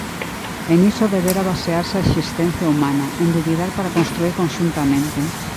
E niso debera basearse a existencia humana; en dubidar para construír conxuntamente.